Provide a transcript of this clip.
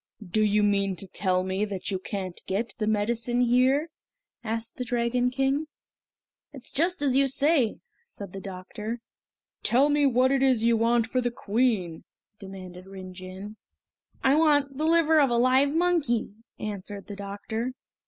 "Do you mean to tell me that you can't get the medicine here?" asked the Dragon King. "It is just as you say!" said the doctor. "Tell me what it is you want for the Queen?" demanded Rin Jin. "I want the liver of a live monkey!" answered the doctor.